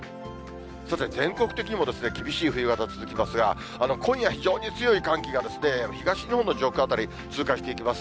そして全国的にも厳しい冬型続きますが、今夜、非常に強い寒気が東日本の上空辺り通過していきます。